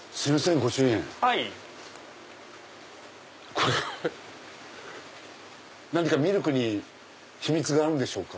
これ何かミルクに秘密があるんでしょうか？